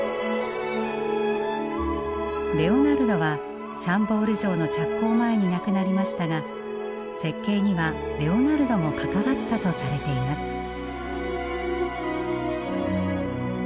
レオナルドはシャンボール城の着工前に亡くなりましたが設計にはレオナルドも関わったとされています。